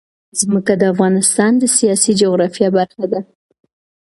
ځمکه د افغانستان د سیاسي جغرافیه برخه ده.